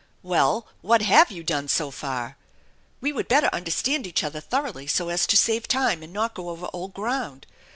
"Well, what have you done so far? We would better understand each other thoroughly so as to save time and not go over old ground.